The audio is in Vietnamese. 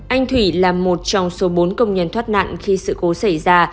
anh thủy là một trong số bốn công nhân thoát nạn khi sự cố xảy ra